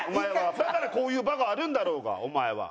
だからこういう場があるんだろうがお前は。